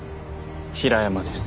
平山です。